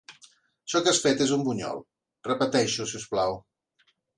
Això que has fet és un bunyol. Repeteix-ho, si us plau.